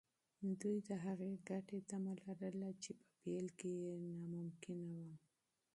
دوی د هغې ګټې تمه لرله چې په پیل کې ناممکنه وه.